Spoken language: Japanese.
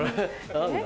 何だ？